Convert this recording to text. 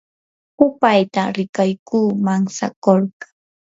hupayta rikaykush mantsakurqa.